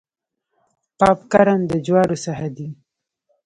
پاپ کارن د جوارو څخه دی.